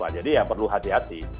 jadi ya perlu hati hati